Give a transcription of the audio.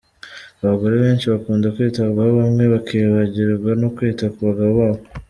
Abagore benshi bakunda kwitabwaho bamwe bakibagirwa no kwita ku bagabo babo.